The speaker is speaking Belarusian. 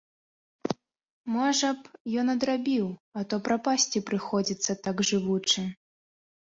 Можа б, ён адрабіў, а то прапасці прыходзіцца, так жывучы.